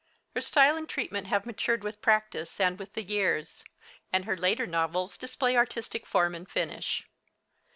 Her style and treatment have matured with practice and with years, and her later novels display artistic form and finish.